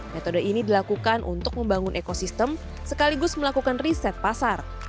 metode ini dilakukan untuk membangun ekosistem sekaligus melakukan riset pasar